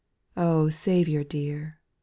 Oh, Saviour dear !